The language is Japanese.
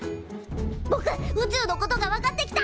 ぼく宇宙のことが分かってきた。